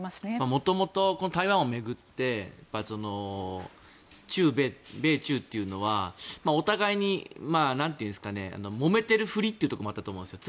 元々台湾を巡って米中というのはお互いになんというかもめているふりというところもあったと思うんですよ。